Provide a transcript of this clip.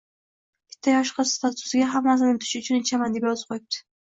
Bitta yoshli qiz statusiga "Hammasini unutish uchun ichaman!", deb yozib qo'yibdi.